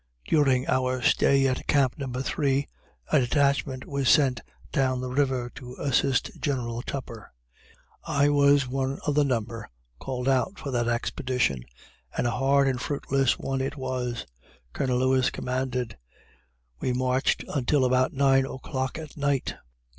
During our stay at camp No. 3, a detachment was sent down the river to assist General Tupper. I was one of the number called out for that expedition; and a hard and fruitless one it was. Colonel Lewis commanded. We marched until about nine o'clock at night.